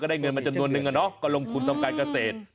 ได้เงินมาจำนวนนึงอะเนาะก็ลงทุนทำการเกษตร